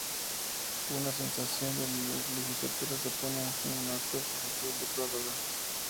Una sesión de la legislatura se pone fin a un acto oficial de prórroga.